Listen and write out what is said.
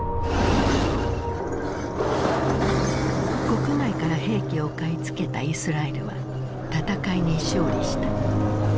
国外から兵器を買い付けたイスラエルは戦いに勝利した。